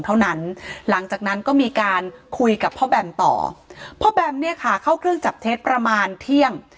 หลังจากนั้นก็มีการคุยกับพ่อแบมต่อพ่อแบมเนี่ยค่ะเข้าเครื่องจับเท็จประมาณเที่ยง